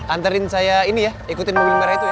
antarin saya ini ya ikutin mobil merah itu ya